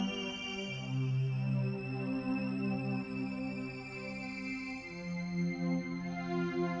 aku sudah berjalan